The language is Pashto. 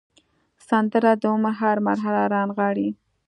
سندره د عمر هره مرحله رانغاړي